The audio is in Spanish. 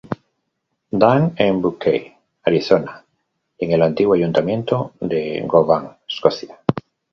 Dan en Buckeye, Arizona y en el antiguo ayuntamiento de Govan, Escocia.